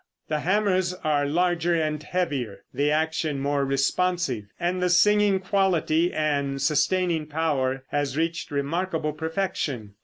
The hammers are larger and heavier, the action more responsive, and the singing quality and sustaining power has reached remarkable perfection.